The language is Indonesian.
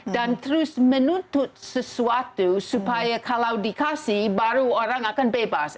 dan terus menuntut sesuatu supaya kalau dikasih baru orang akan bebas